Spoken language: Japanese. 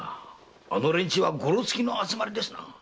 あの連中はゴロツキの集まりです。